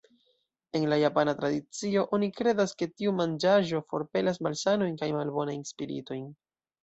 En la japana tradicio oni kredas, ke tiu manĝaĵo forpelas malsanojn kaj malbonajn spiritojn.